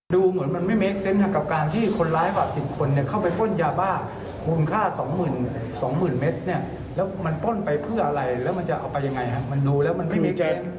ดูเหมือนมันไม่เมคเซนต์ค่ะกับการที่คนร้ายฝากสิทธิ์คนเนี่ยเข้าไปป้นยาบ้าคูณค่าสองหมื่นสองหมื่นเม็ดเนี่ยแล้วมันป้นไปเพื่ออะไรแล้วมันจะเอาไปยังไงค่ะมันดูแล้วมันไม่เมคเซนต์